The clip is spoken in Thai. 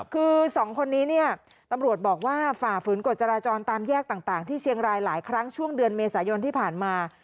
คือสองคนนี้เนี่ยตำรวจบอกว่าฝ่าฝืนกฎจราจรตามแยกต่างที่เชียงรายหลายครั้งช่วงเดือนเมษายนที่ผ่านมา